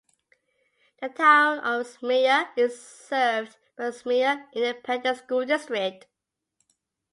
The Town of Smyer is served by the Smyer Independent School District.